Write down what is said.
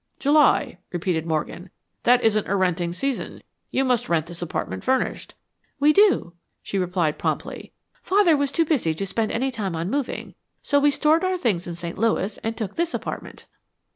"July," repeated Morgan. "That isn't a renting season. You must rent this apartment furnished." "We do," she replied, promptly. "Father was too busy to spend any time on moving, so we stored our things in St. Louis and took this apartment."